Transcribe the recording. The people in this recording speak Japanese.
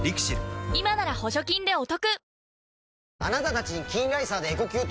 今なら補助金でお得